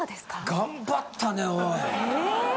頑張ったねおい。